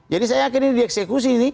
jadi saya yakin ini dieksekusi ini